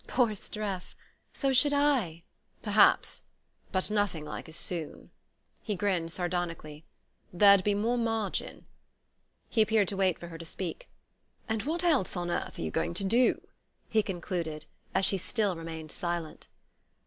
"Poor Streff! So should I " "Perhaps. But nothing like as soon " He grinned sardonically. "There'd be more margin." He appeared to wait for her to speak. "And what else on earth are you going to do?" he concluded, as she still remained silent.